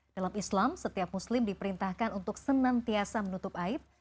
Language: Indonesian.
dalam islam setiap muslim diperintahkan untuk senantiasa menutup aib